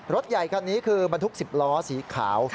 รถใหญ่คันนี้คือบรรทุก๑๐ล้อสีขาว